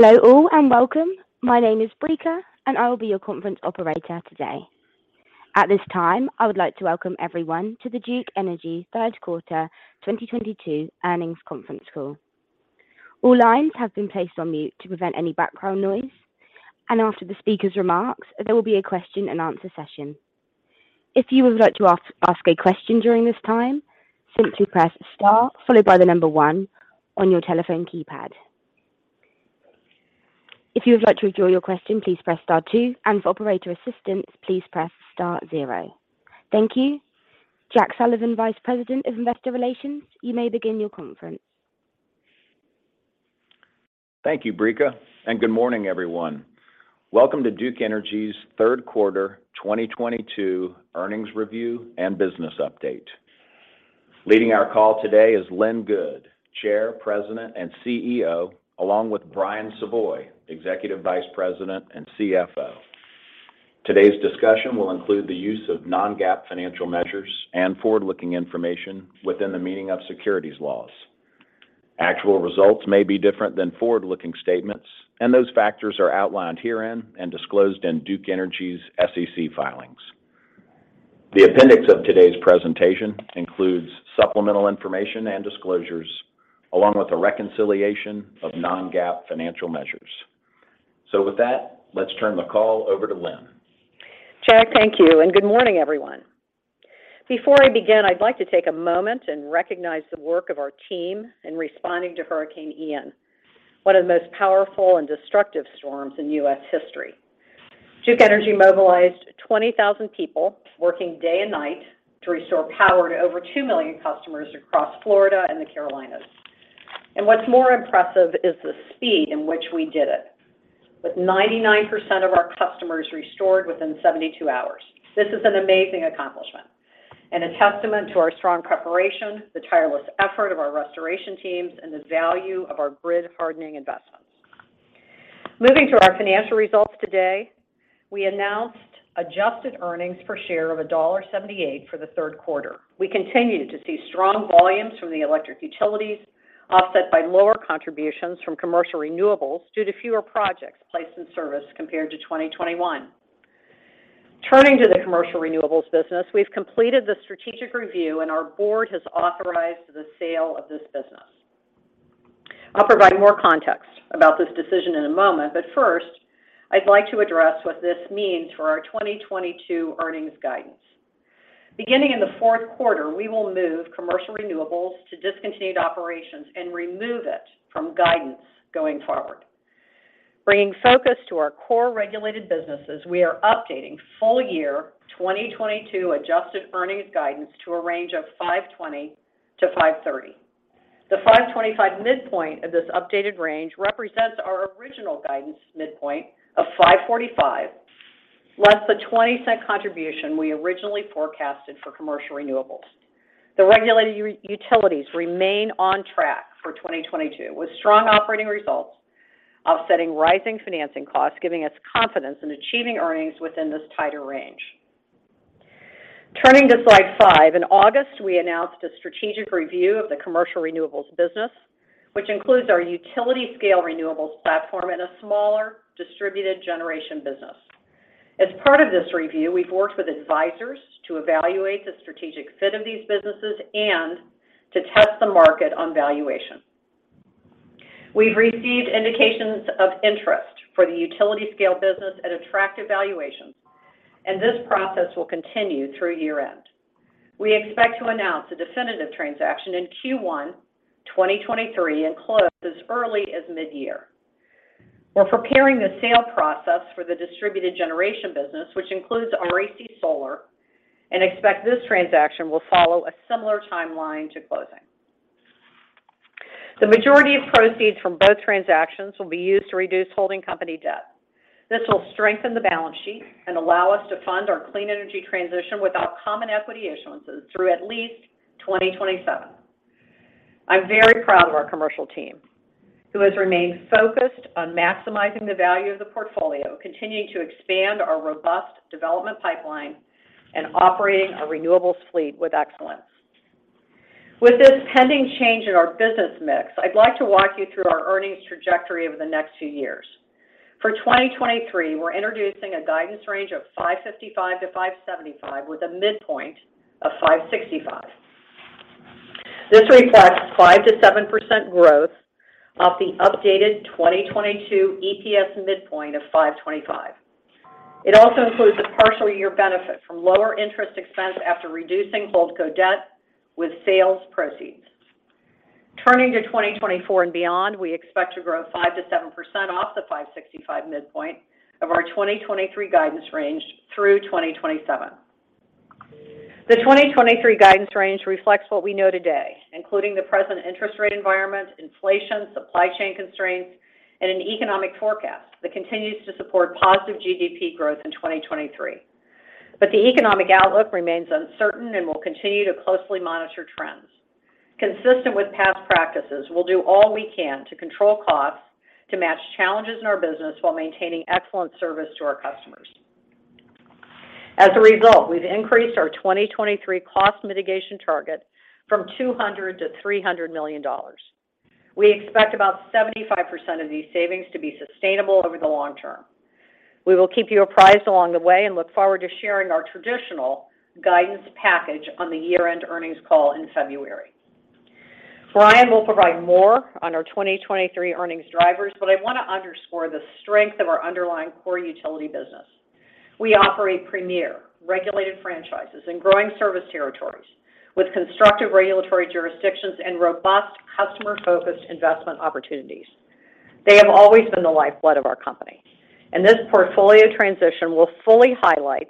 Hello all and welcome. My name is Bricka, and I will be your conference operator today. At this time, I would like to welcome everyone to the Duke Energy third quarter 2022 earnings conference call. All lines have been placed on mute to prevent any background noise, and after the speaker's remarks, there will be a question and answer session. If you would like to ask a question during this time, simply press star followed by the number one on your telephone keypad. If you would like to withdraw your question, please press star two, and for operator assistance, please press star zero. Thank you. Jack Sullivan, Vice President of Investor Relations, you may begin your conference. Thank you, Bricka, and good morning, everyone. Welcome to Duke Energy's third quarter 2022 earnings review and business update. Leading our call today is Lynn Good, Chair, President, and CEO, along with Brian Savoy, Executive Vice President and CFO.Today's discussion will include the use of non-GAAP financial measures and forward-looking information within the meaning of securities laws. Actual results may be different than forward-looking statements, and those factors are outlined herein and disclosed in Duke Energy's SEC filings. The appendix of today's presentation includes supplemental information and disclosures along with a reconciliation of non-GAAP financial measures. With that, let's turn the call over to Lynn. Jack, thank you, and good morning, everyone. Before I begin, I'd like to take a moment and recognize the work of our team in responding to Hurricane Ian, one of the most powerful and destructive storms in U.S. history. Duke Energy mobilized 20,000 people working day and night to restore power to over two million customers across Florida and the Carolinas. What's more impressive is the speed in which we did it, with 99% of our customers restored within 72 hours. This is an amazing accomplishment and a testament to our strong preparation, the tireless effort of our restoration teams, and the value of our grid hardening investments. Moving to our financial results today, we announced adjusted earnings per share of $1.78 for the third quarter. We continue to see strong volumes from the electric utilities offset by lower contributions from commercial renewables due to fewer projects placed in service compared to 2021. Turning to the commercial renewables business, we've completed the strategic review, and our board has authorized the sale of this business. I'll provide more context about this decision in a moment, but first, I'd like to address what this means for our 2022 earnings guidance. Beginning in the fourth quarter, we will move commercial renewables to discontinued operations and remove it from guidance going forward. Bringing focus to our core regulated businesses, we are updating full year 2022 adjusted earnings guidance to a range of $5.20-$5.30. The $5.25 midpoint of this updated range represents our original guidance midpoint of $5.45, less the $0.20 contribution we originally forecasted for commercial renewables. The regulated utilities remain on track for 2022, with strong operating results offsetting rising financing costs, giving us confidence in achieving earnings within this tighter range. Turning to slide five, in August, we announced a strategic review of the commercial renewables business, which includes our utility scale renewables platform and a smaller distributed generation business. As part of this review, we've worked with advisors to evaluate the strategic fit of these businesses and to test the market on valuation. We've received indications of interest for the utility scale business at attractive valuations, and this process will continue through year-end. We expect to announce a definitive transaction in Q1 2023 and close as early as mid-year. We're preparing the sale process for the distributed generation business, which includes REC Solar, and expect this transaction will follow a similar timeline to closing. The majority of proceeds from both transactions will be used to reduce holding company debt. This will strengthen the balance sheet and allow us to fund our clean energy transition without common equity issuances through at least 2027. I'm very proud of our commercial team, who has remained focused on maximizing the value of the portfolio, continuing to expand our robust development pipeline and operating our renewables fleet with excellence. With this pending change in our business mix, I'd like to walk you through our earnings trajectory over the next two years. For 2023, we're introducing a guidance range of $5.55-$5.75, with a midpoint of $5.65. This reflects 5%-7% growth off the updated 2022 EPS midpoint of $5.25. It also includes the partial year benefit from lower interest expense after reducing Holdco debt with sales proceeds. Turning to 2024 and beyond, we expect to grow 5%-7% off the 565 midpoint of our 2023 guidance range through 2027. The 2023 guidance range reflects what we know today, including the present interest rate environment, inflation, supply chain constraints, and an economic forecast that continues to support positive GDP growth in 2023. The economic outlook remains uncertain and will continue to closely monitor trends. Consistent with past practices, we'll do all we can to control costs to match challenges in our business while maintaining excellent service to our customers. As a result, we've increased our 2023 cost mitigation target from $200 million to $300 million. We expect about 75% of these savings to be sustainable over the long term. We will keep you apprised along the way and look forward to sharing our traditional guidance package on the year-end earnings call in February. Brian will provide more on our 2023 earnings drivers, but I want to underscore the strength of our underlying core utility business. We operate premier regulated franchises in growing service territories with constructive regulatory jurisdictions and robust customer-focused investment opportunities. They have always been the lifeblood of our company, and this portfolio transition will fully highlight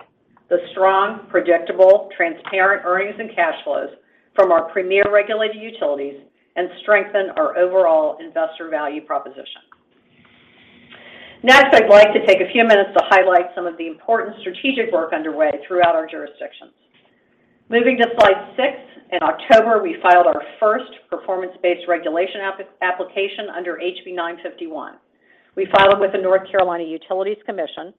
the strong, predictable, transparent earnings and cash flows from our premier regulated utilities and strengthen our overall investor value proposition. Next, I'd like to take a few minutes to highlight some of the important strategic work underway throughout our jurisdictions. Moving to slide six. In October, we filed our first performance-based regulation application under HB 951. We filed with the North Carolina Utilities Commission,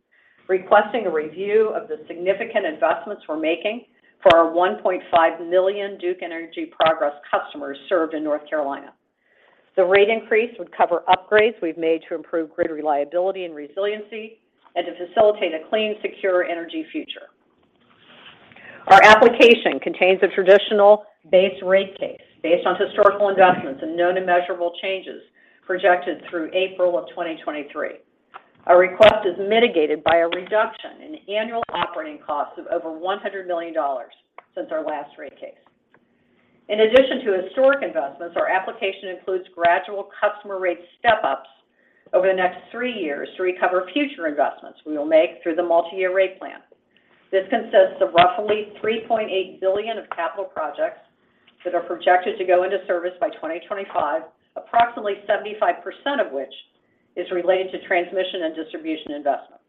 requesting a review of the significant investments we're making for our 1.5 million Duke Energy Progress customers served in North Carolina. The rate increase would cover upgrades we've made to improve grid reliability and resiliency and to facilitate a clean, secure energy future. Our application contains a traditional base rate case based on historical investments and known and measurable changes projected through April of 2023. Our request is mitigated by a reduction in annual operating costs of over $100 million since our last rate case. In addition to historic investments, our application includes gradual customer rate step-ups over the next three years to recover future investments we will make through the multi-year rate plan. This consists of roughly $3.8 billion of capital projects that are projected to go into service by 2025, approximately 75% of which is related to transmission and distribution investments.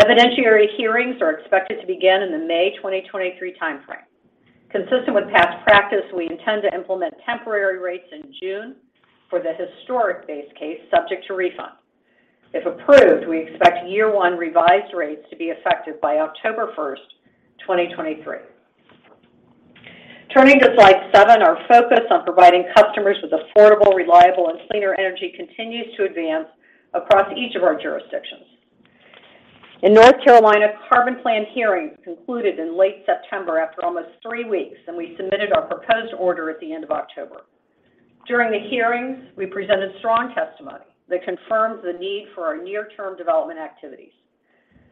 Evidentiary hearings are expected to begin in the May 2023 timeframe. Consistent with past practice, we intend to implement temporary rates in June for the historic base case subject to refund. If approved, we expect year one revised rates to be effective by October 1, 2023. Turning to slide seven. Our focus on providing customers with affordable, reliable, and cleaner energy continues to advance across each of our jurisdictions. In North Carolina, Carbon Plan hearings concluded in late September after almost three weeks, and we submitted our proposed order at the end of October. During the hearings, we presented strong testimony that confirms the need for our near-term development activities.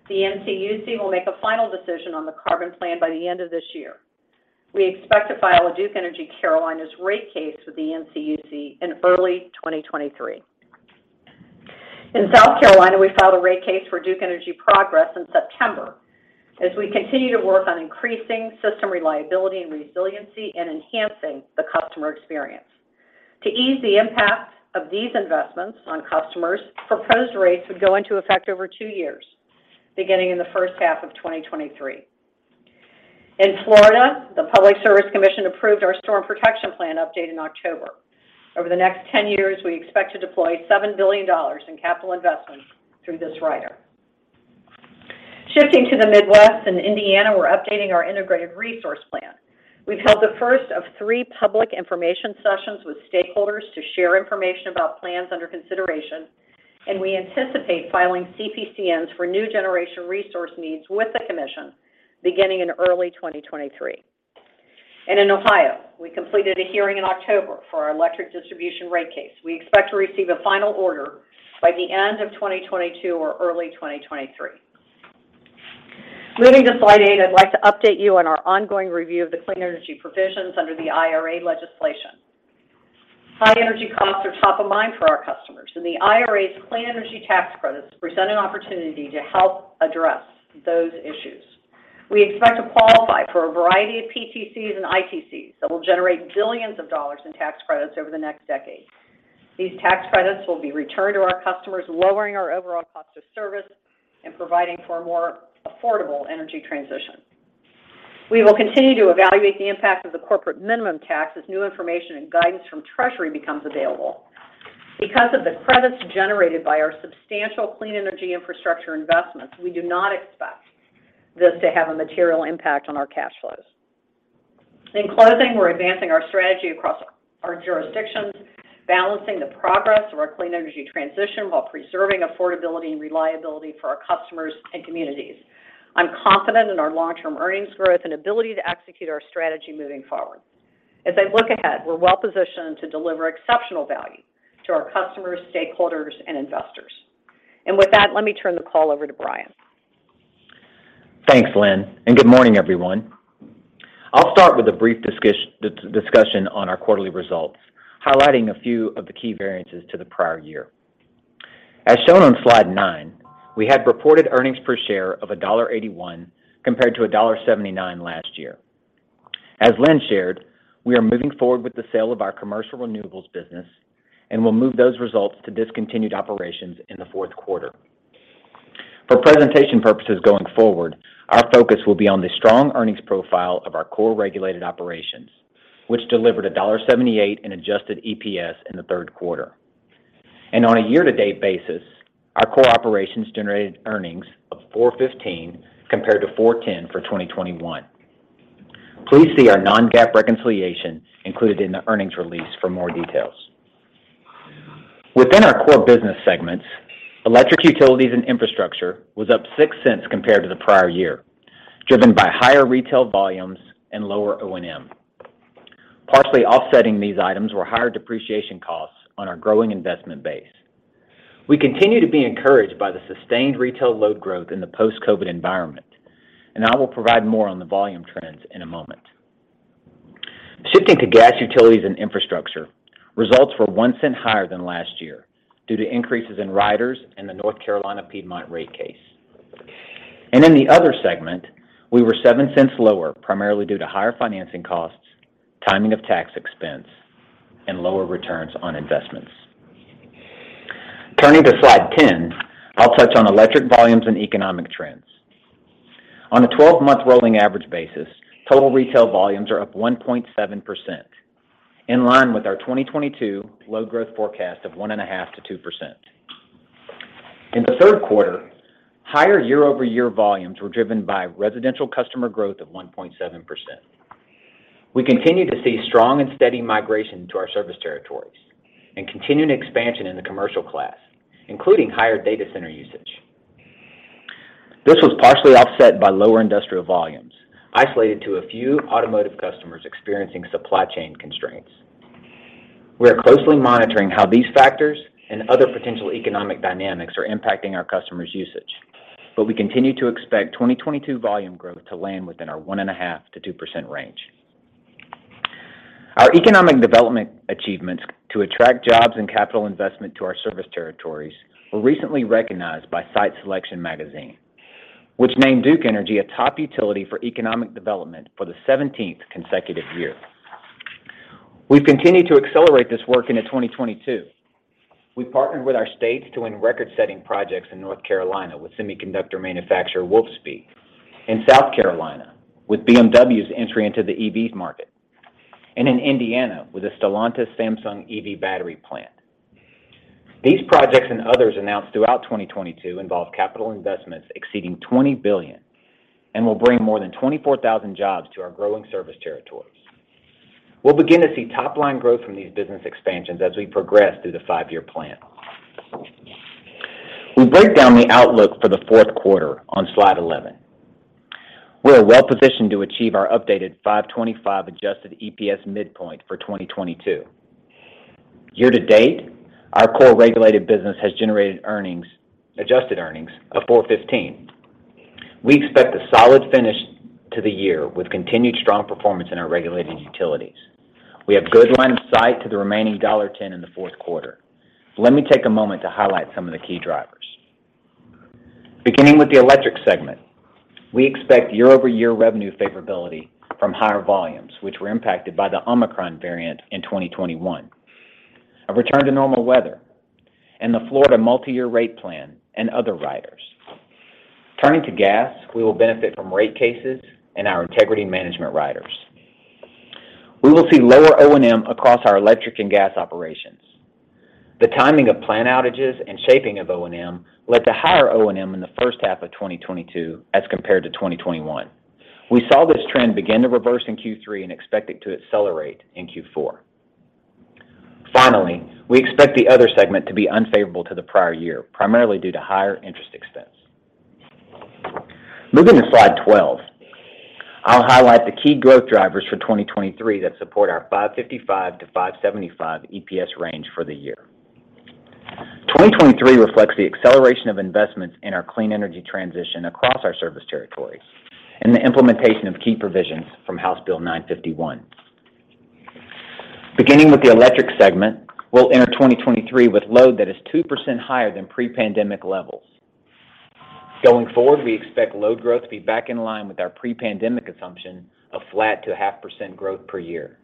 The NCUC will make a final decision on the Carbon Plan by the end of this year. We expect to file a Duke Energy Carolinas' rate case with the NCUC in early 2023. In South Carolina, we filed a rate case for Duke Energy Progress in September as we continue to work on increasing system reliability and resiliency and enhancing the customer experience. To ease the impact of these investments on customers, proposed rates would go into effect over two years, beginning in the first half of 2023. In Florida, the Florida Public Service Commission approved our Storm Protection Plan update in October. Over the next 10 years, we expect to deploy $7 billion in capital investments through this rider. Shifting to the Midwest. In Indiana, we're updating our Integrated Resource Plan. We've held the first of three public information sessions with stakeholders to share information about plans under consideration, and we anticipate filing CPCNs for new generation resource needs with the commission beginning in early 2023. In Ohio, we completed a hearing in October for our electric distribution rate case. We expect to receive a final order by the end of 2022 or early 2023. Moving to slide 8, I'd like to update you on our ongoing review of the clean energy provisions under the IRA legislation. High energy costs are top of mind for our customers, and the IRA's clean energy tax credits present an opportunity to help address those issues. We expect to qualify for a variety of PTCs and ITCs that will generate billion dollars in tax credits over the next decade. These tax credits will be returned to our customers, lowering our overall cost of service and providing for a more affordable energy transition. We will continue to evaluate the impact of the corporate minimum tax as new information and guidance from Treasury becomes available. Because of the credits generated by our substantial clean energy infrastructure investments, we do not expect this to have a material impact on our cash flows. In closing, we're advancing our strategy across our jurisdictions, balancing the progress of our clean energy transition while preserving affordability and reliability for our customers and communities. I'm confident in our long-term earnings growth and ability to execute our strategy moving forward. As I look ahead, we're well positioned to deliver exceptional value to our customers, stakeholders, and investors. With that, let me turn the call over to Brian. Thanks, Lynn, and good morning, everyone. I'll start with a brief discussion on our quarterly results, highlighting a few of the key variances to the prior year. As shown on slide nine, we had reported earnings per share of $1.81 compared to $1.79 last year. As Lynn shared, we are moving forward with the sale of our commercial renewables business and will move those results to discontinued operations in the fourth quarter. For presentation purposes going forward, our focus will be on the strong earnings profile of our core regulated operations, which delivered $1.78 in adjusted EPS in the third quarter. On a year-to-date basis, our core operations generated earnings of $4.15 compared to $4.10 for 2021. Please see our non-GAAP reconciliation included in the earnings release for more details. Within our core business segments, electric utilities and infrastructure was up $0.06 compared to the prior year, driven by higher retail volumes and lower O&M. Partially offsetting these items were higher depreciation costs on our growing investment base. We continue to be encouraged by the sustained retail load growth in the post-COVID environment, and I will provide more on the volume trends in a moment. Shifting to gas utilities and infrastructure, results were $0.01 higher than last year due to increases in riders and the North Carolina Piedmont rate case. In the other segment, we were $0.07 lower, primarily due to higher financing costs, timing of tax expense, and lower returns on investments. Turning to slide 10, I'll touch on electric volumes and economic trends. On a 12-month rolling average basis, total retail volumes are up 1.7%, in line with our 2022 load growth forecast of 1.5%-2%. In the third quarter, higher year-over-year volumes were driven by residential customer growth of 1.7%. We continue to see strong and steady migration to our service territories and continuing expansion in the commercial class, including higher data center usage. This was partially offset by lower industrial volumes, isolated to a few automotive customers experiencing supply chain constraints. We are closely monitoring how these factors and other potential economic dynamics are impacting our customers' usage, but we continue to expect 2022 volume growth to land within our 1.5%-2% range. Our economic development achievements to attract jobs and capital investment to our service territories were recently recognized by Site Selection Magazine, which named Duke Energy a top utility for economic development for the 17th consecutive year. We've continued to accelerate this work into 2022. We've partnered with our states to win record-setting projects in North Carolina with semiconductor manufacturer Wolfspeed, in South Carolina with BMW's entry into the EVs market, and in Indiana with a Stellantis Samsung EV battery plant. These projects and others announced throughout 2022 involve capital investments exceeding $20 billion and will bring more than 24,000 jobs to our growing service territories. We'll begin to see top-line growth from these business expansions as we progress through the 5-year plan. We break down the outlook for the fourth quarter on slide 11. We're well-positioned to achieve our updated 5.25 adjusted EPS midpoint for 2022. Year to date, our core regulated business has generated earnings, adjusted earnings of 4.15. We expect a solid finish to the year with continued strong performance in our regulated utilities. We have good line of sight to the remaining $1.10 in the fourth quarter. Let me take a moment to highlight some of the key drivers. Beginning with the electric segment, we expect year-over-year revenue favorability from higher volumes, which were impacted by the Omicron variant in 2021. A return to normal weather in the Florida multi-year rate plan and other riders. Turning to gas, we will benefit from rate cases and our integrity management riders. We will see lower O&M across our electric and gas operations. The timing of plant outages and shaping of O&M led to higher O&M in the first half of 2022 as compared to 2021. We saw this trend begin to reverse in Q3 and expect it to accelerate in Q4. Finally, we expect the other segment to be unfavorable to the prior year, primarily due to higher interest expense. Moving to slide 12, I'll highlight the key growth drivers for 2023 that support our $5.55-$5.75 EPS range for the year. 2023 reflects the acceleration of investments in our clean energy transition across our service territories and the implementation of key provisions from House Bill 951. Beginning with the electric segment, we'll enter 2023 with load that is 2% higher than pre-pandemic levels. Going forward, we expect load growth to be back in line with our pre-pandemic assumption of flat to 0.5% growth per year.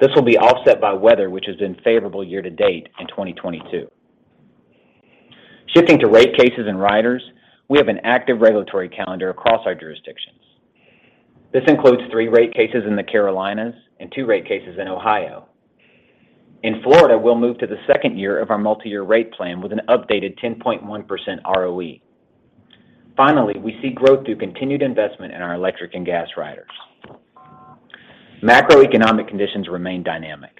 This will be offset by weather, which has been favorable year to date in 2022. Shifting to rate cases and riders, we have an active regulatory calendar across our jurisdictions. This includes three rate cases in the Carolinas and two rate cases in Ohio. In Florida, we'll move to the second year of our multi-year rate plan with an updated 10.1% ROE. Finally, we see growth through continued investment in our electric and gas riders. Macroeconomic conditions remain dynamic.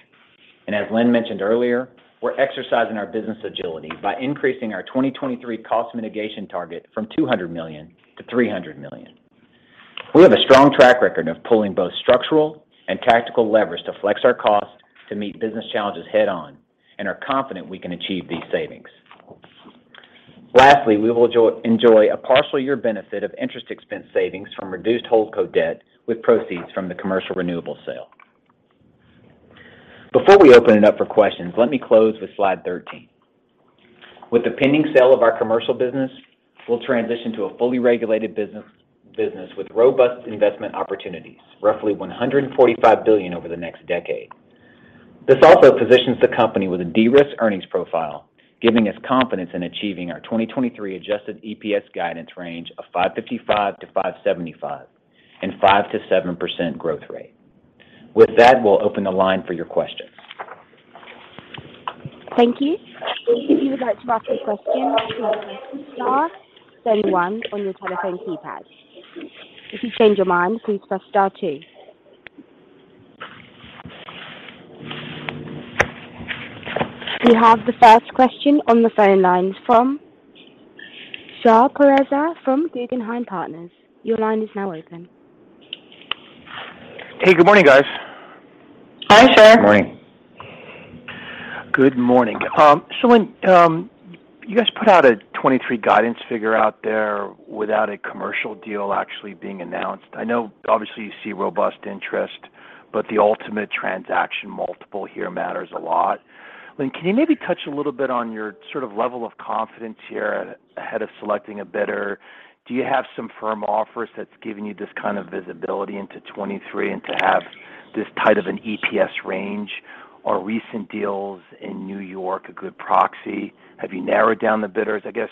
As Lynn mentioned earlier, we're exercising our business agility by increasing our 2023 cost mitigation target from $200 million to $300 million. We have a strong track record of pulling both structural and tactical leverage to flex our costs to meet business challenges head on and are confident we can achieve these savings. Lastly, we will enjoy a partial year benefit of interest expense savings from reduced holdco debt with proceeds from the commercial renewable sale. Before we open it up for questions, let me close with slide 13. With the pending sale of our commercial business, we'll transition to a fully regulated business with robust investment opportunities, roughly $145 billion over the next decade. This also positions the company with a de-risk earnings profile, giving us confidence in achieving our 2023 adjusted EPS guidance range of $5.55-$5.75 and 5%-7% growth rate. With that, we'll open the line for your questions. Thank you. If you would like to ask a question, please star then one on your telephone keypad. If you change your mind, please press star two. We have the first question on the phone lines from Shar Pourreza from Guggenheim Partners. Your line is now open. Hey, good morning, guys. Hi, Shar. Morning. Good morning. When you guys put out a 2023 guidance figure out there without a commercial deal actually being announced. I know obviously you see robust interest, but the ultimate transaction multiple here matters a lot. Lynn, can you maybe touch a little bit on your sort of level of confidence here ahead of selecting a bidder? Do you have some firm offers that's giving you this kind of visibility into 2023 and to have this tight of an EPS range or recent deals in New York, a good proxy? Have you narrowed down the bidders? I guess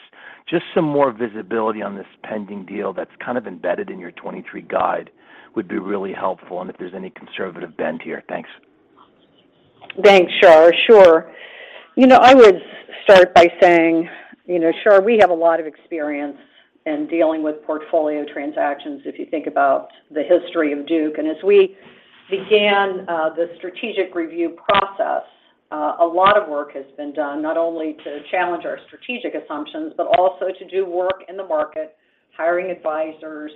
just some more visibility on this pending deal that's kind of embedded in your 2023 guide would be really helpful and if there's any conservative bent here. Thanks. Thanks, Shar. Sure. You know, I would start by saying, you know, Shar, we have a lot of experience in dealing with portfolio transactions, if you think about the history of Duke. As we began the strategic review process, a lot of work has been done not only to challenge our strategic assumptions, but also to do work in the market, hiring advisors,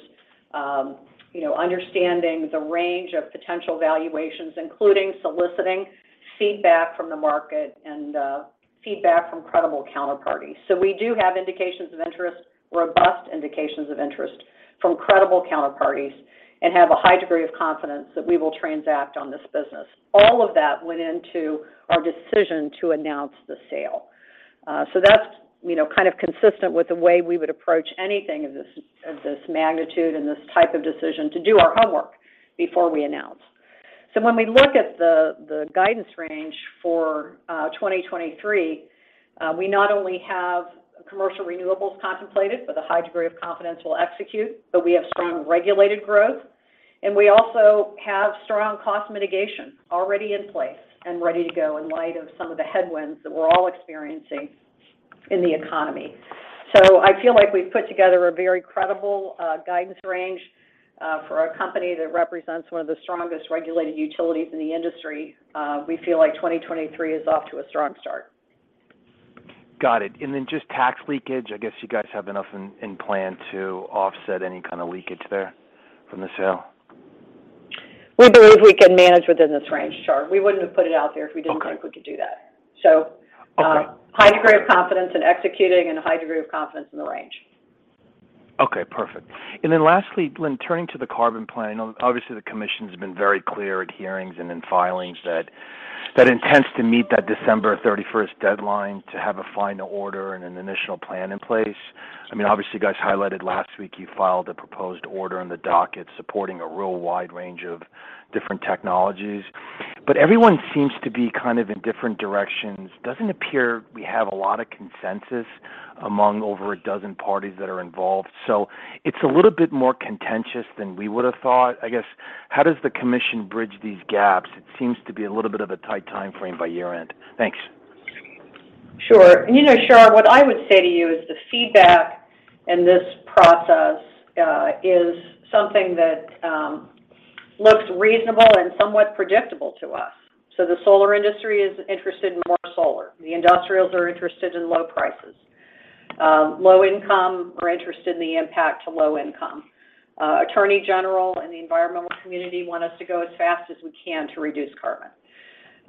you know, understanding the range of potential valuations, including soliciting feedback from the market and feedback from credible counterparties. We do have indications of interest, robust indications of interest from credible counterparties, and have a high degree of confidence that we will transact on this business. All of that went into our decision to announce the sale. That's, you know, kind of consistent with the way we would approach anything of this magnitude and this type of decision to do our homework before we announce. When we look at the guidance range for 2023, we not only have commercial renewables contemplated with a high degree of confidence we'll execute, but we have strong regulated growth, and we also have strong cost mitigation already in place and ready to go in light of some of the headwinds that we're all experiencing in the economy. I feel like we've put together a very credible guidance range for a company that represents one of the strongest regulated utilities in the industry. We feel like 2023 is off to a strong start. Got it. Just tax leakage. I guess you guys have enough in plan to offset any kind of leakage there from the sale. We believe we can manage within this range, Shar. We wouldn't have put it out there if we didn't. Okay. think we could do that. Okay. High degree of confidence in executing and a high degree of confidence in the range. Okay. Perfect. Lastly, Lynn, turning to the Carbon Plan, obviously the commission's been very clear at hearings and in filings that that intends to meet that 31st December deadline to have a final order and an initial plan in place. I mean, obviously you guys highlighted last week you filed a proposed order on the docket supporting a real wide range of different technologies, but everyone seems to be kind of in different directions. Doesn't appear we have a lot of consensus among over a dozen parties that are involved. It's a little bit more contentious than we would've thought. I guess, how does the commission bridge these gaps? It seems to be a little bit of a tight timeframe by year end. Thanks. Sure. You know, Shar, what I would say to you is the feedback in this process is something that looks reasonable and somewhat predictable to us. The solar industry is interested in more solar. The industrials are interested in low prices. Low income are interested in the impact to low income. Attorney general and the environmental community want us to go as fast as we can to reduce carbon.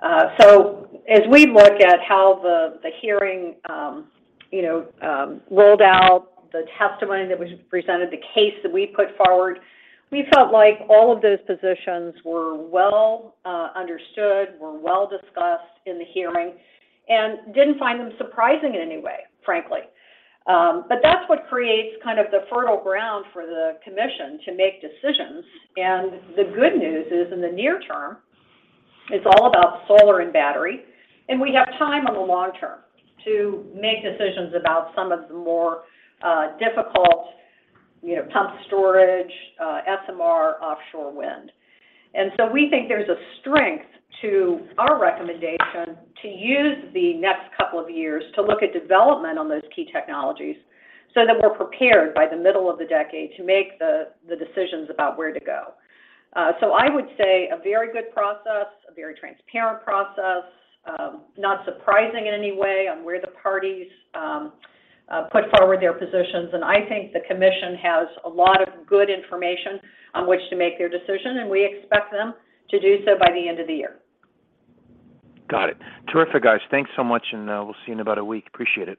As we look at how the hearing rolled out the testimony that we presented, the case that we put forward, we felt like all of those positions were well understood, were well discussed in the hearing, and didn't find them surprising in any way, frankly. But that's what creates kind of the fertile ground for the commission to make decisions. The good news is, in the near term, it's all about solar and battery, and we have time on the long term to make decisions about some of the more difficult, you know, pumped storage, SMR, offshore wind. We think there's a strength to our recommendation to use the next couple of years to look at development on those key technologies so that we're prepared by the middle of the decade to make the decisions about where to go. I would say a very good process, a very transparent process, not surprising in any way on where the parties put forward their positions. I think the commission has a lot of good information on which to make their decision, and we expect them to do so by the end of the year. Got it. Terrific, guys. Thanks so much, and we'll see you in about a week. Appreciate it.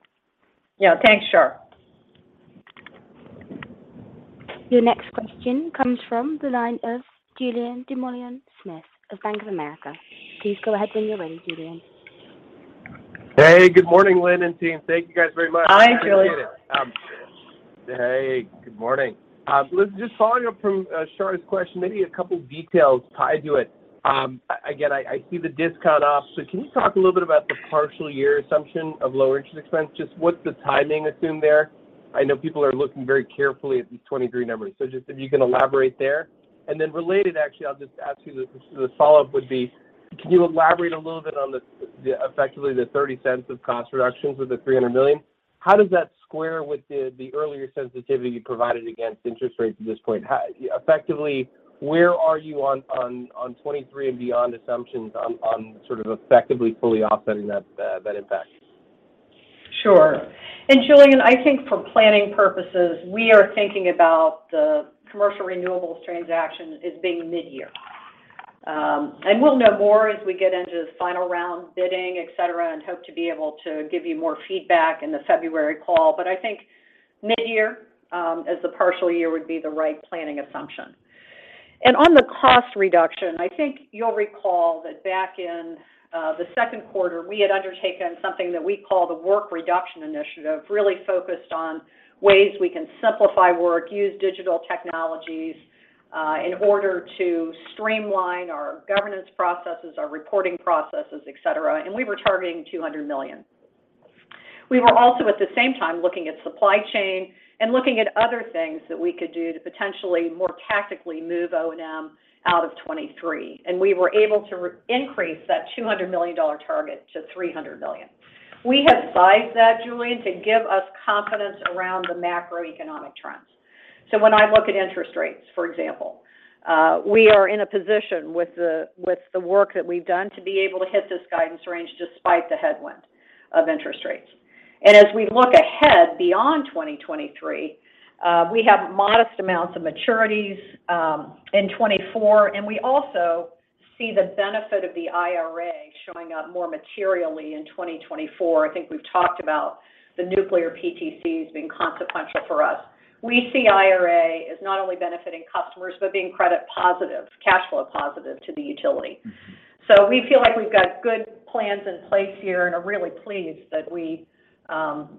Yeah. Thanks, Shar. Your next question comes from the line of Julien Dumoulin-Smith of Bank of America. Please go ahead when you're ready, Julien. Hey, good morning, Lynn and team. Thank you guys very much. Hi, Julien. I appreciate it. Hey, good morning. Lynn, just following up from Shar's question, maybe a couple details tied to it. Again, I see the discount op, so can you talk a little bit about the partial year assumption of lower interest expense? Just what's the timing assumed there? I know people are looking very carefully at these 2023 numbers. Just if you can elaborate there. Then related, actually, I'll just ask you the follow-up would be, can you elaborate a little bit on the effectively the 30 cents of cost reductions with the $300 million? How does that square with the earlier sensitivity you provided against interest rates at this point? How, effectively, where are you on 2023 and beyond assumptions on sort of effectively fully offsetting that impact? Sure. Julien, I think for planning purposes, we are thinking about the commercial renewables transaction as being mid-year. We'll know more as we get into the final round bidding, et cetera, and hope to be able to give you more feedback in the February call. I think mid-year, as the partial year would be the right planning assumption. On the cost reduction, I think you'll recall that back in the second quarter, we had undertaken something that we call the work reduction initiative, really focused on ways we can simplify work, use digital technologies, in order to streamline our governance processes, our reporting processes, et cetera, and we were targeting $200 million. We were also at the same time looking at supply chain and looking at other things that we could do to potentially more tactically move O&M out of 2023. We were able to re-increase that $200 million target to $300 million. We have sized that, Julien, to give us confidence around the macroeconomic trends. When I look at interest rates, for example, we are in a position with the work that we've done to be able to hit this guidance range despite the headwind of interest rates. As we look ahead beyond 2023, we have modest amounts of maturities in 2024, and we also see the benefit of the IRA showing up more materially in 2024. I think we've talked about the nuclear PTCs being consequential for us. We see IRA as not only benefiting customers, but being credit positive, cash flow positive to the utility. We feel like we've got good plans in place here and are really pleased that we,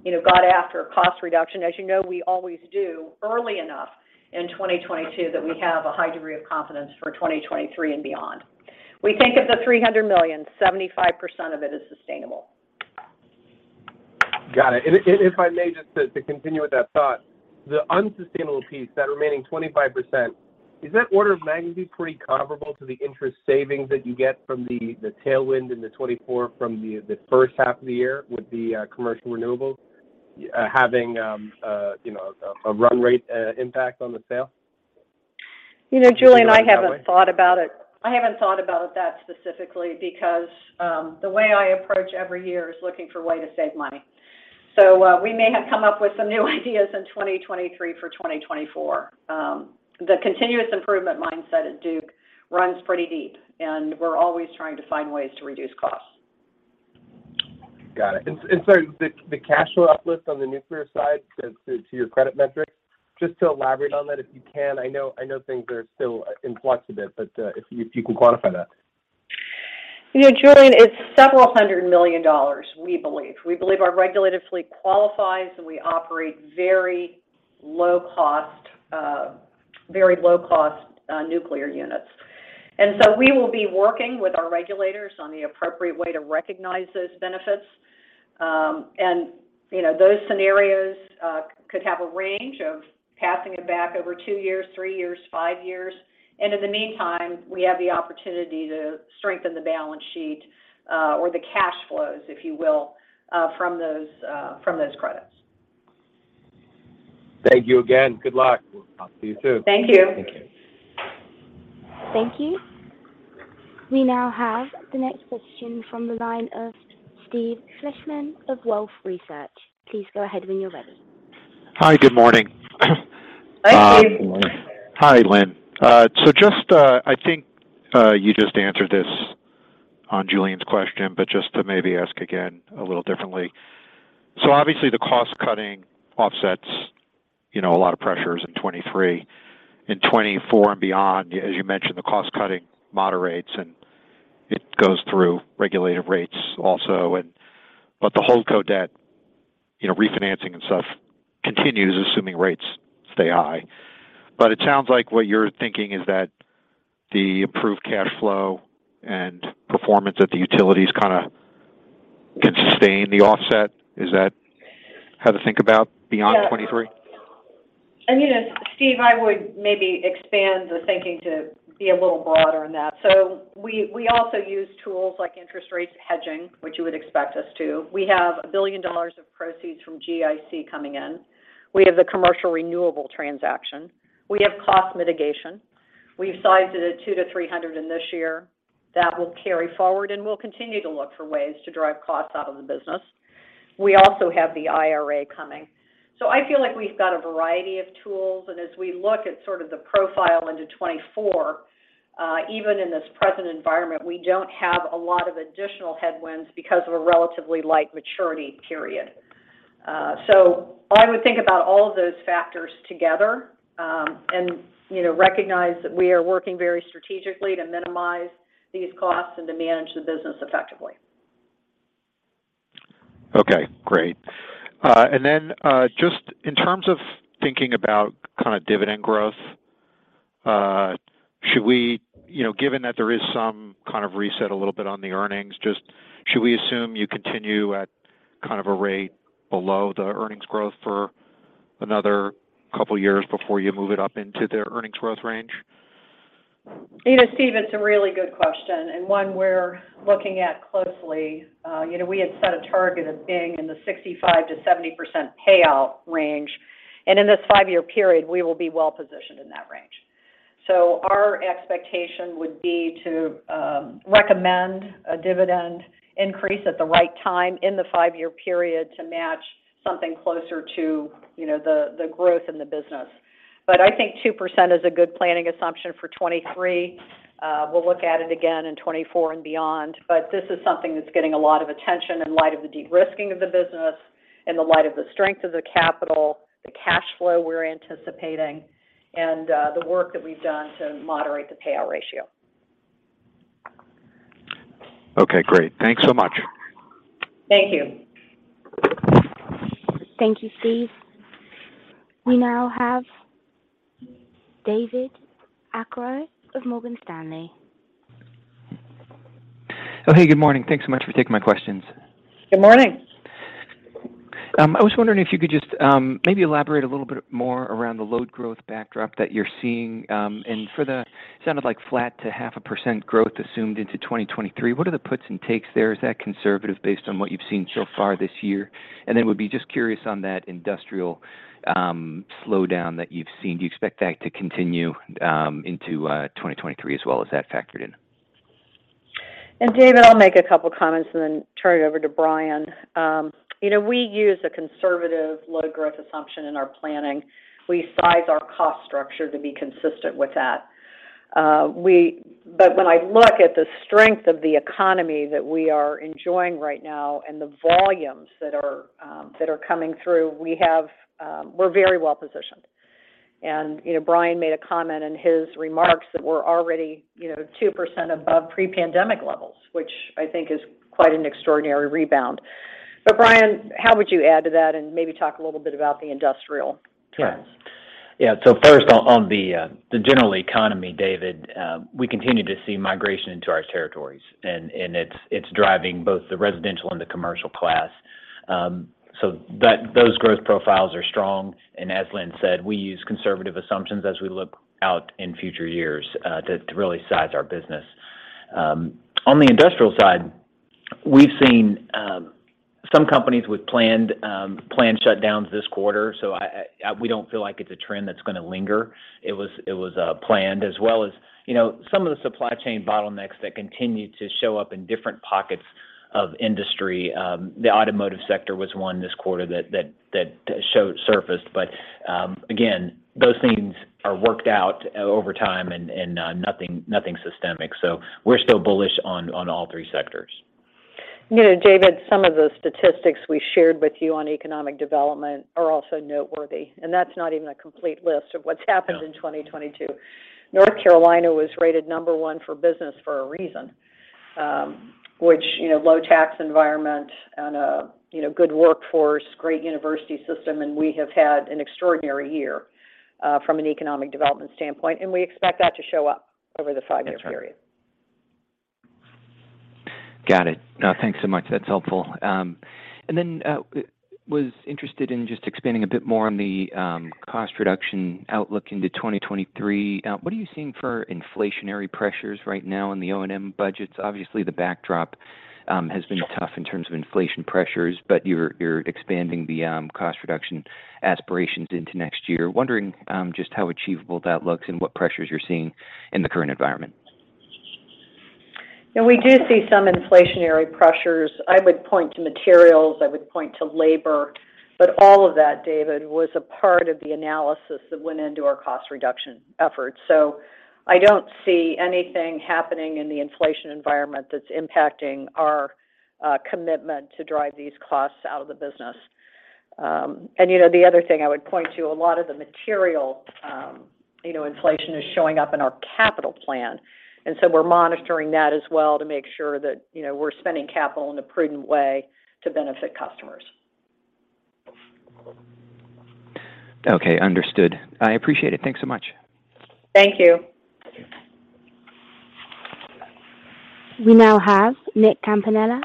you know, got after cost reduction. As you know, we always do early enough in 2022 that we have a high degree of confidence for 2023 and beyond. We think of the $300 million, 75% of it is sustainable. Got it. If I may just to continue with that thought, the unsustainable piece, that remaining 25%, is that order of magnitude pretty comparable to the interest savings that you get from the tailwind in 2024 from the first half of the year with the commercial renewables having you know a run rate impact on the sale? You know, Julien, I haven't thought about it. I haven't thought about that specifically because the way I approach every year is looking for a way to save money. We may have come up with some new ideas in 2023 for 2024. The continuous improvement mindset at Duke runs pretty deep, and we're always trying to find ways to reduce costs. Got it. So the cash flow uplift on the nuclear side to your credit metrics, just to elaborate on that, if you can. I know things are still in flux a bit, but if you can quantify that. You know, Julien, it's $several hundred million, we believe. We believe our regulated fleet qualifies, and we operate very low cost nuclear units. In the meantime, we have the opportunity to strengthen the balance sheet or the cash flows, if you will, from those credits. Thank you again. Good luck. Talk to you soon. Thank you. Thank you. Thank you. We now have the next question from the line of Steve Fleishman of Wolfe Research. Please go ahead when you're ready. Hi, good morning. Hi, Steve. Hi, Lynn. I think you just answered this on Julien's question, but just to maybe ask again a little differently. Obviously, the cost cutting offsets, you know, a lot of pressures in 2023. In 2024 and beyond, as you mentioned, the cost cutting moderates, and it goes through regulated rates also. The Holdco debt, you know, refinancing and stuff continues assuming rates stay high. It sounds like what you're thinking is that the approved cash flow and performance at the utilities kind of can sustain the offset. Is that how to think about beyond 2023? You know, Steve, I would maybe expand the thinking to be a little broader than that. We also use tools like interest rates hedging, which you would expect us to. We have one billion of proceeds from GIC coming in. We have the commercial renewable transaction. We have cost mitigation. We've sized it at $200 million-$300 million in this year. That will carry forward, and we'll continue to look for ways to drive costs out of the business. We also have the IRA coming. I feel like we've got a variety of tools, and as we look at sort of the profile into 2024, even in this present environment, we don't have a lot of additional headwinds because of a relatively light maturity period. I would think about all of those factors together, and you know, recognize that we are working very strategically to minimize these costs and to manage the business effectively. Okay, great. Just in terms of thinking about kind of dividend growth. Should we assume you continue at kind of a rate below the earnings growth for another couple years before you move it up into their earnings growth range? You know, Steve, it's a really good question and one we're looking at closely. You know, we had set a target of being in the 65%-70% payout range, and in this five-year period, we will be well-positioned in that range. Our expectation would be to recommend a dividend increase at the right time in the five-year period to match something closer to, you know, the growth in the business. I think 2% is a good planning assumption for 2023. We'll look at it again in 2024 and beyond, but this is something that's getting a lot of attention in light of the de-risking of the business, in the light of the strength of the capital, the cash flow we're anticipating, and the work that we've done to moderate the payout ratio. Okay, great. Thanks so much. Thank you. Thank you, Steve. We now have David Arcaro of Morgan Stanley. Oh, hey, good morning. Thanks so much for taking my questions. Good morning. I was wondering if you could just, maybe elaborate a little bit more around the load growth backdrop that you're seeing, and sounded like flat to 0.5% growth assumed into 2023. What are the puts and takes there? Is that conservative based on what you've seen so far this year? Then would be just curious on that industrial slowdown that you've seen. Do you expect that to continue into 2023 as well? Is that factored in? David, I'll make a couple comments and then turn it over to Brian. You know, we use a conservative load growth assumption in our planning. We size our cost structure to be consistent with that. But when I look at the strength of the economy that we are enjoying right now and the volumes that are coming through, we're very well-positioned. You know, Brian made a comment in his remarks that we're already, you know, 2% above pre-pandemic levels, which I think is quite an extraordinary rebound. Brian, how would you add to that, and maybe talk a little bit about the industrial trends? First on the general economy, David, we continue to see migration into our territories and it's driving both the residential and the commercial class. Those growth profiles are strong, and as Lynn said, we use conservative assumptions as we look out in future years to really size our business. On the industrial side, we've seen some companies with planned shutdowns this quarter, so we don't feel like it's a trend that's gonna linger. It was planned. As well as, you know, some of the supply chain bottlenecks that continue to show up in different pockets of industry. The automotive sector was one this quarter that showed up. Again, those things are worked out over time and nothing systemic. We're still bullish on all three sectors. You know, David, some of the statistics we shared with you on economic development are also noteworthy, and that's not even a complete list of what's happened in 2022. North Carolina was rated number one for business for a reason, which, you know, low tax environment and a, you know, good workforce, great university system, and we have had an extraordinary year from an economic development standpoint. We expect that to show up over the five-year period. That's right. Got it. Thanks so much. That's helpful. Was interested in just expanding a bit more on the cost reduction outlook into 2023. What are you seeing for inflationary pressures right now in the O&M budgets? Obviously, the backdrop has been tough in terms of inflation pressures, but you're expanding the cost reduction aspirations into next year. Wondering just how achievable that looks and what pressures you're seeing in the current environment. Yeah, we do see some inflationary pressures. I would point to materials, I would point to labor, but all of that, David, was a part of the analysis that went into our cost reduction efforts. I don't see anything happening in the inflation environment that's impacting our commitment to drive these costs out of the business. You know, the other thing I would point to, a lot of the material, you know, inflation is showing up in our capital plan. We're monitoring that as well to make sure that, you know, we're spending capital in a prudent way to benefit customers. Okay, understood. I appreciate it. Thanks so much. Thank you. We now have Nicholas Campanella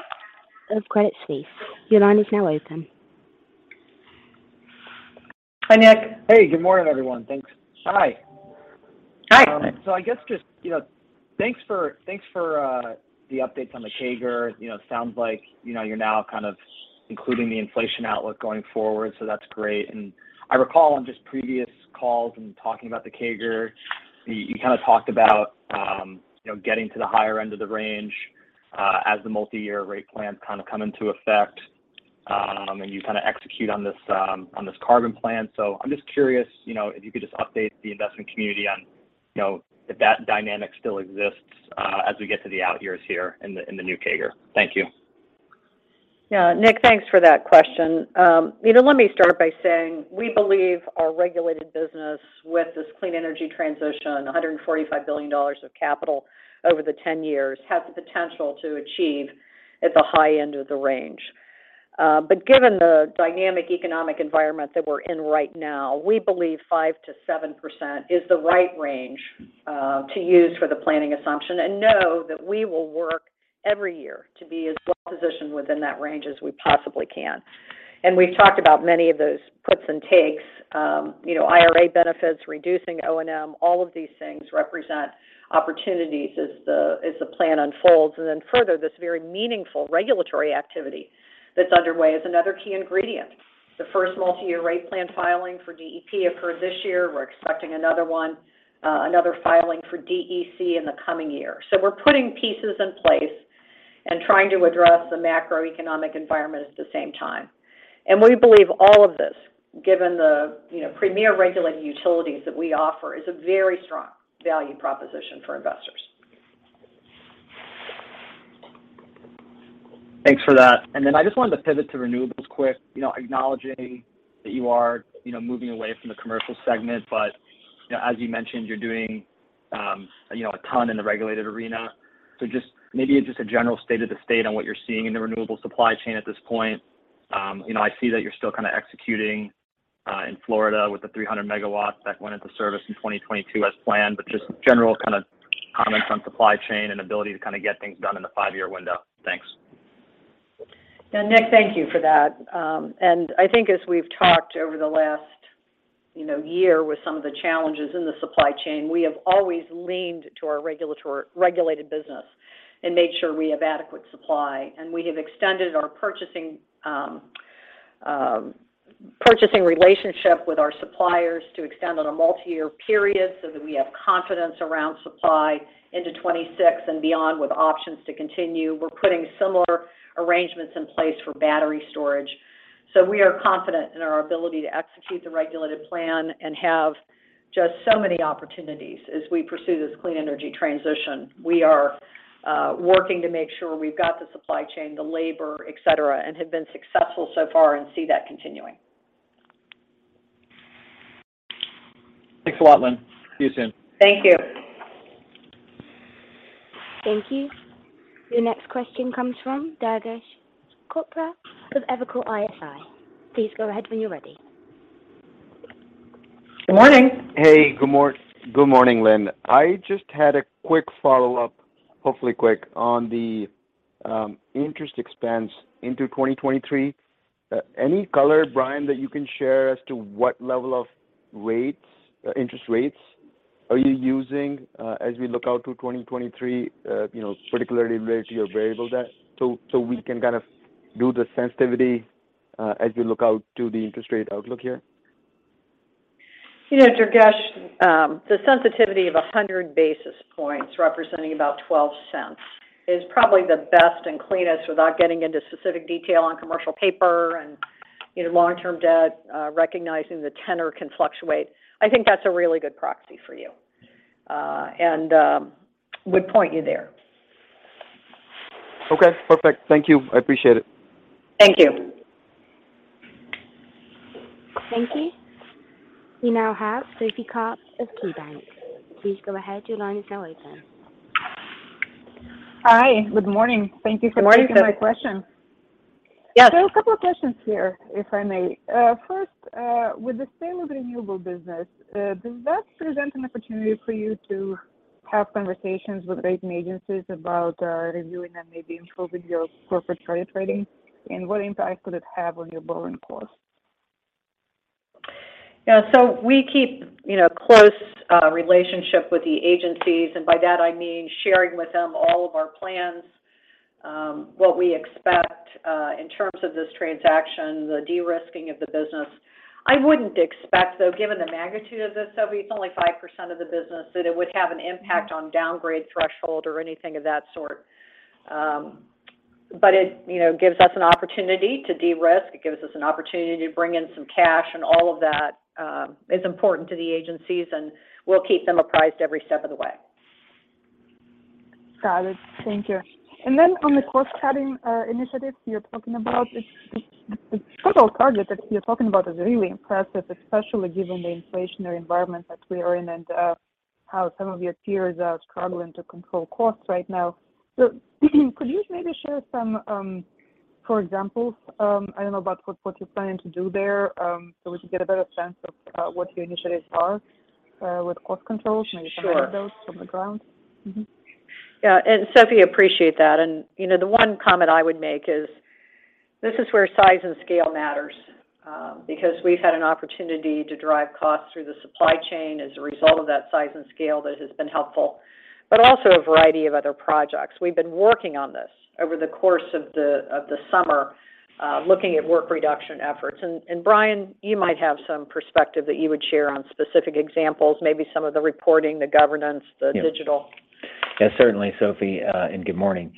of Credit Suisse. Your line is now open. Hi, Nick. Hey, good morning, everyone. Thanks. Hi. Hi. I guess just, you know, thanks for the updates on the CAGR. You know, it sounds like, you know, you're now kind of including the inflation outlook going forward, so that's great. I recall on just previous calls and talking about the CAGR, you kinda talked about, you know, getting to the higher end of the range, as the multi-year rate plans kinda come into effect, and you kinda execute on this, on this Carbon Plan. I'm just curious, you know, if you could just update the investment community on, you know, if that dynamic still exists, as we get to the out years here in the new CAGR. Thank you. Yeah. Nick, thanks for that question. You know, let me start by saying we believe our regulated business with this clean energy transition, $145 billion of capital over the 10 years, has the potential to achieve at the high end of the range. But given the dynamic economic environment that we're in right now, we believe 5%-7% is the right range to use for the planning assumption, and know that we will work every year to be as well-positioned within that range as we possibly can. We've talked about many of those puts and takes, you know, IRA benefits, reducing O&M, all of these things represent opportunities as the plan unfolds. Further, this very meaningful regulatory activity that's underway is another key ingredient. The first multi-year rate plan filing for DEP occurred this year. We're expecting another one, another filing for DEC in the coming year. We're putting pieces in place and trying to address the macroeconomic environment at the same time. We believe all of this, given the, you know, premier regulated utilities that we offer, is a very strong value proposition for investors. Thanks for that. Then I just wanted to pivot to renewables quick. You know, acknowledging that you are, you know, moving away from the commercial segment, but, you know, as you mentioned, you're doing, you know, a ton in the regulated arena. Just maybe a general state of the state on what you're seeing in the renewable supply chain at this point. You know, I see that you're still kind of executing in Florida with the 300 MW that went into service in 2022 as planned. Just general kind of comments on supply chain and ability to kind of get things done in the five-year window. Thanks. Yeah, Nick, thank you for that. I think as we've talked over the last, you know, year with some of the challenges in the supply chain, we have always leaned to our regulated business and made sure we have adequate supply. We have extended our purchasing relationship with our suppliers to extend on a multi-year period so that we have confidence around supply into 2026 and beyond with options to continue. We're putting similar arrangements in place for battery storage. We are confident in our ability to execute the regulated plan and have just so many opportunities as we pursue this clean energy transition. We are working to make sure we've got the supply chain, the labor, et cetera, and have been successful so far and see that continuing. Thanks a lot, Lynn. See you soon. Thank you. Thank you. Your next question comes from Durgesh Chopra with Evercore ISI. Please go ahead when you're ready. Good morning. Hey, good morning, Lynn. I just had a quick follow-up, hopefully quick, on the interest expense into 2023. Any color, Brian, that you can share as to what level of rates, interest rates are you using, as we look out to 2023, you know, particularly related to your variable debt, so we can kind of do the sensitivity, as we look out to the interest rate outlook here? You know, Durgesh, the sensitivity of 100 basis points representing about $0.12 is probably the best and cleanest without getting into specific detail on commercial paper and, you know, long-term debt, recognizing the tenor can fluctuate. I think that's a really good proxy for you, and would point you there. Okay, perfect. Thank you. I appreciate it. Thank you. Thank you. We now have Sophie Karp of KeyBanc. Please go ahead. Your line is now open. Hi. Good morning. Thank you for taking- Good morning, Sophie. my question. Yes. A couple of questions here, if I may. First, with the sale of renewable business, does that present an opportunity for you to have conversations with rating agencies about reviewing and maybe improving your corporate credit rating? What impact could it have on your borrowing costs? Yeah. We keep, you know, close relationship with the agencies, and by that I mean sharing with them all of our plans, what we expect in terms of this transaction, the de-risking of the business. I wouldn't expect, though, given the magnitude of this, Sophie, it's only 5% of the business, that it would have an impact on downgrade threshold or anything of that sort. It, you know, gives us an opportunity to de-risk. It gives us an opportunity to bring in some cash, and all of that is important to the agencies, and we'll keep them apprised every step of the way. Got it. Thank you. On the cost-cutting initiatives you're talking about, the total target that you're talking about is really impressive, especially given the inflationary environment that we are in and how some of your peers are struggling to control costs right now. Could you maybe share some examples? I don't know about what you're planning to do there, so we can get a better sense of what your initiatives are with cost controls? Sure. Maybe some examples from the ground. Mm-hmm. Yeah. Sophie, appreciate that. You know, the one comment I would make is this is where size and scale matters, because we've had an opportunity to drive costs through the supply chain as a result of that size and scale. That has been helpful. Also a variety of other projects. We've been working on this over the course of the summer, looking at work reduction efforts. Brian, you might have some perspective that you would share on specific examples, maybe some of the reporting, the governance. Yeah the digital. Yeah, certainly, Sophie, and good morning.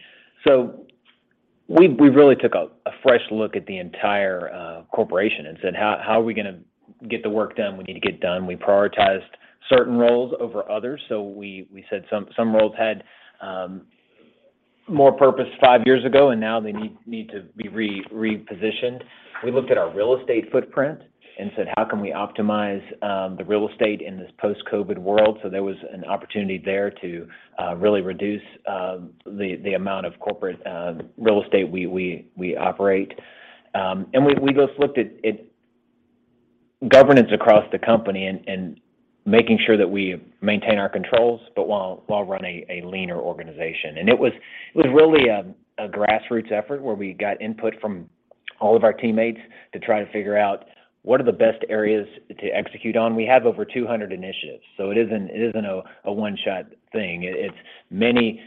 We really took a fresh look at the Entire corporation and said, "How are we gonna get the work done we need to get done?" We prioritized certain roles over others. We said some roles had more purpose five years ago, and now they need to be repositioned. We looked at our real estate footprint and said, "How can we optimize the real estate in this post-COVID world?" There was an opportunity there to really reduce the amount of corporate real estate we operate. We just looked at governance across the company and making sure that we maintain our controls, but while running a leaner organization. It was really a grassroots effort where we got input from all of our teammates to try to figure out what are the best areas to execute on. We have over 200 initiatives, so it isn't a one-shot thing. It's many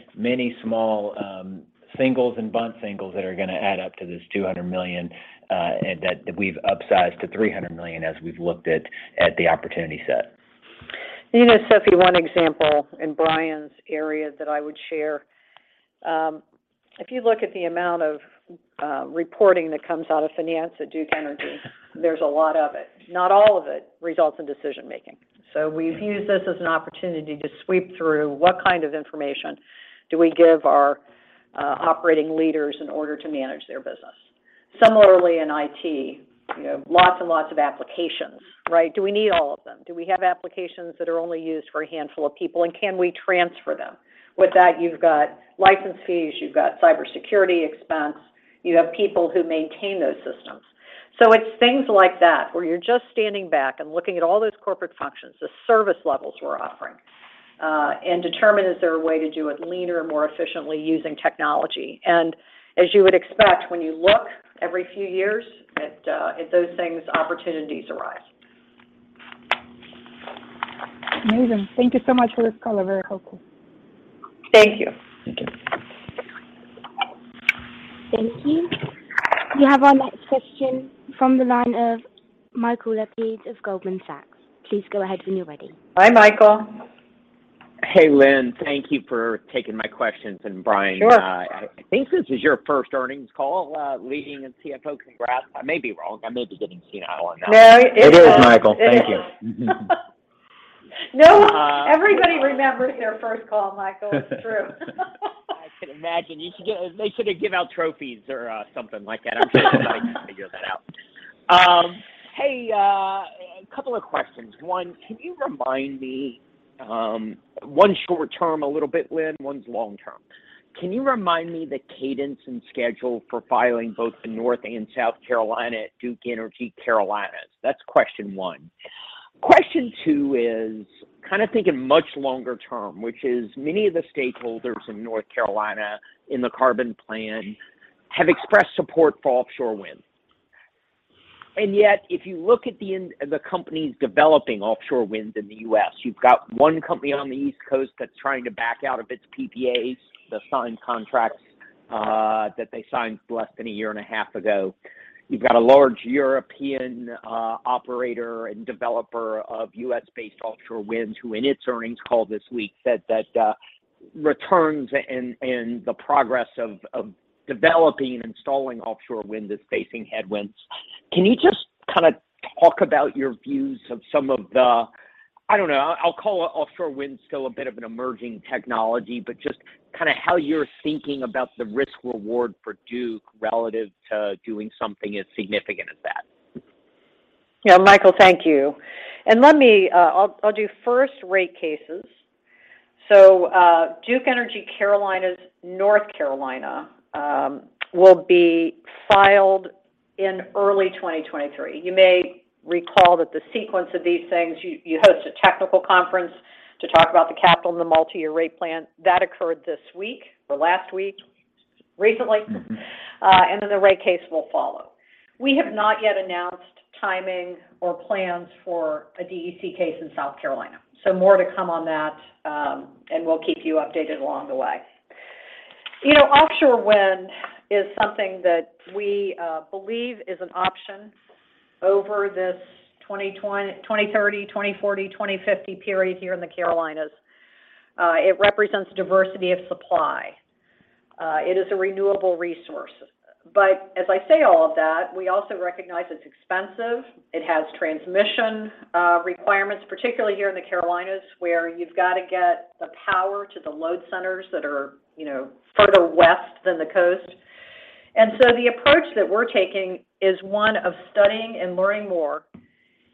small singles and bunt singles that are gonna add up to this $200 million, and that we've upsized to $300 million as we've looked at the opportunity set. You know, Sophie, one example in Brian's area that I would share, if you look at the amount of reporting that comes out of finance at Duke Energy, there's a lot of it. Not all of it results in decision-making. We've used this as an opportunity to sweep through what kind of information do we give our operating leaders in order to manage their business. Similarly in IT, you know, lots and lots of applications, right? Do we need all of them? Do we have applications that are only used for a handful of people, and can we transfer them? With that, you've got license fees, you've got cybersecurity expense, you have people who maintain those systems. It's things like that, where you're just standing back and looking at all those corporate functions, the service levels we're offering, and determine is there a way to do it leaner and more efficiently using technology. As you would expect, when you look every few years at those things, opportunities arise. Amazing. Thank you so much for this call. Very helpful. Thank you. Thank you. Thank you. We have our next question from the line of Michael Lapides of Goldman Sachs. Please go ahead when you're ready. Hi, Michael. Hey, Lynn. Thank you for taking my questions, and Brian. Sure I think this is your first earnings call, leading as CFO. Congrats. I may be wrong. I may be getting C&I on that one. No, it is. This is Michael. Thank you. No, everybody remembers their first call, Michael. It's true. I can imagine. They should give out trophies or something like that. I'm sure they might figure that out. Hey, a couple of questions. One, can you remind me one short term a little bit, Lynn, one's long term. Can you remind me the cadence and schedule for filing both the North and South Carolina at Duke Energy Carolinas? That's question one. Question two is kind of thinking much longer term, which is many of the stakeholders in North Carolina in the Carbon Plan have expressed support for offshore wind. Yet, if you look at the companies developing offshore wind in the U.S., you've got one company on the East Coast that's trying to back out of its PPAs, the signed contracts, that they signed less than a year and a half ago. You've got a large European operator and developer of U.S.-based offshore wind who in its earnings call this week said that returns and the progress of developing and installing offshore wind is facing headwinds. Can you just kinda talk about your views of some of the, I don't know, I'll call offshore wind still a bit of an emerging technology, but just kinda how you're thinking about the risk-reward for Duke relative to doing something as significant as that? Yeah, Michael, thank you. Let me, I'll do first rate cases. Duke Energy Carolinas, North Carolina, will be filed in early 2023. You may recall that the sequence of these things, you host a technical conference to talk about the CapEx and the multi-year rate plan. That occurred this week or last week, recently. Mm-hmm. The rate case will follow. We have not yet announced timing or plans for a DEC case in South Carolina, more to come on that, and we'll keep you updated along the way. You know, offshore wind is something that we believe is an option over this 2020, 2030, 2040, 2050 period here in the Carolinas. It represents diversity of supply. It is a renewable resource. As I say all of that, we also recognize it's expensive. It has transmission requirements, particularly here in the Carolinas, where you've got to get the power to the load centers that are, you know, further west than the coast. The approach that we're taking is one of studying and learning more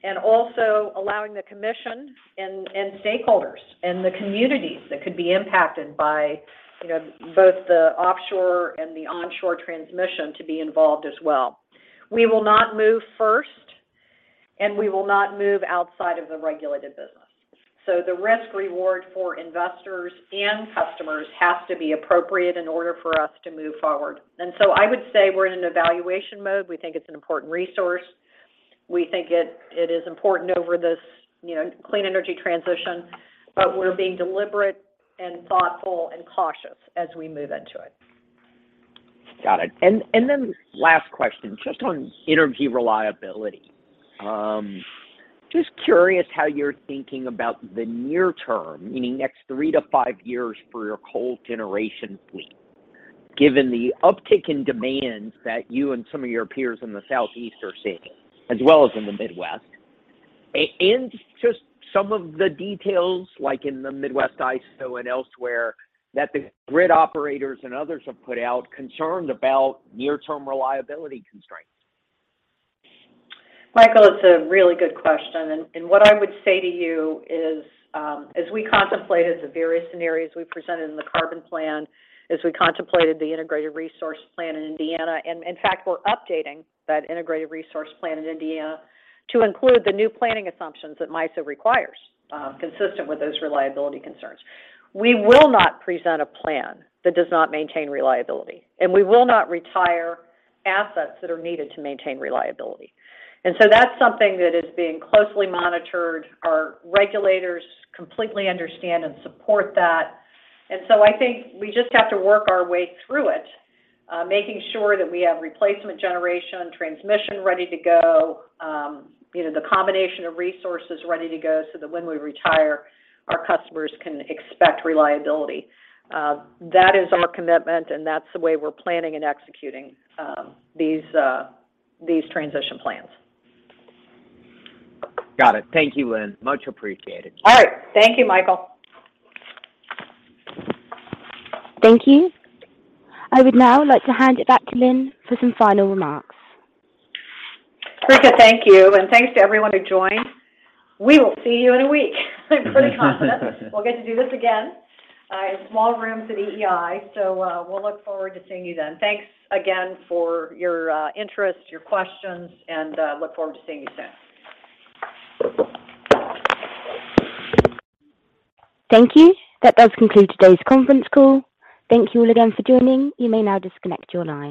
and also allowing the commission and stakeholders and the communities that could be impacted by, you know, both the offshore and the onshore transmission to be involved as well. We will not move first, and we will not move outside of the regulated business. The risk-reward for investors and customers has to be appropriate in order for us to move forward. I would say we're in an evaluation mode. We think it's an important resource. We think it is important over this, you know, clean energy transition, but we're being deliberate and thoughtful and cautious as we move into it. Got it. Then last question, just on energy reliability. Just curious how you're thinking about the near term, meaning next three to five years for your coal generation fleet, given the uptick in demands that you and some of your peers in the Southeast are seeing, as well as in the Midwest, and just some of the details, like in the Midwest ISO and elsewhere, that the grid operators and others have put out concerned about near-term reliability constraints. Michael, it's a really good question. What I would say to you is, as we contemplated the various scenarios we presented in the Carbon Plan, as we contemplated the Integrated Resource Plan in Indiana, and in fact, we're updating that Integrated Resource Plan in Indiana to include the new planning assumptions that MISO requires, consistent with those reliability concerns. We will not present a plan that does not maintain reliability, and we will not retire assets that are needed to maintain reliability. That's something that is being closely monitored. Our regulators completely understand and support that. I think we just have to work our way through it, making sure that we have replacement generation, transmission ready to go, you know, the combination of resources ready to go so that when we retire, our customers can expect reliability. That is our commitment, and that's the way we're planning and executing these transition plans. Got it. Thank you, Lynn. Much appreciated. All right. Thank you, Michael. Thank you. I would now like to hand it back to Lynn for some final remarks. Brica, thank you, and thanks to everyone who joined. We will see you in a week. I'm pretty confident we'll get to do this again in small rooms at EEI, so we'll look forward to seeing you then. Thanks again for your interest, your questions, and look forward to seeing you soon. Thank you. That does conclude today's conference call. Thank you all again for joining. You may now disconnect your line.